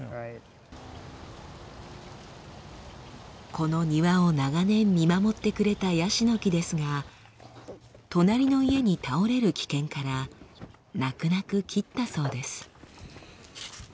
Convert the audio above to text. この庭を長年見守ってくれたヤシの木ですが隣の家に倒れる危険から泣く泣く切ったそうです。